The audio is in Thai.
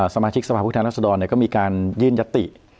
สมาชิกสภาพพุทธธรรมสดรเนี่ยก็มีการยื่นยศติ